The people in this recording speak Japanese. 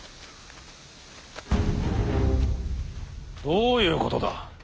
どういうことだ。